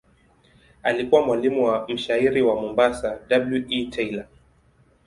Alikuwa mwalimu wa mshairi wa Mombasa W. E. Taylor.